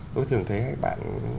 tôi thường thấy bạn